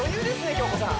京子さん